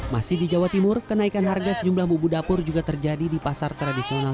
masih di jawa timur kenaikan harga sejumlah bumbu dapur juga terjadi di pasar tradisional